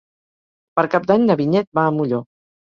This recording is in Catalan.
Per Cap d'Any na Vinyet va a Molló.